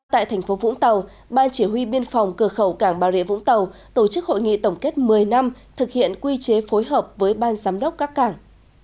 tại thành phố vũng tàu ban chỉ huy biên phòng cửa khẩu cảng bà rịa vũng tàu tổ chức hội nghị tổng kết một mươi năm thực hiện quy chế phối hợp với ban giám đốc các cảng